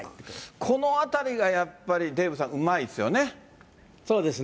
このあたりがやっぱりデーブさん、うまいですよね。